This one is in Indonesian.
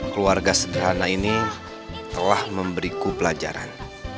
keluarga sederhana ini telah memberiku pelajaran